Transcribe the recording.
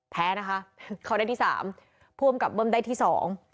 แพ้นะคะเขาได้ที่สามผู้อำกับเบิ้มได้ที่สอง